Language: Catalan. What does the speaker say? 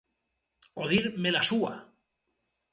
O dir "me la sua".